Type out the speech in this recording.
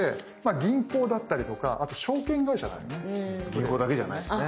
銀行だけじゃないんですね。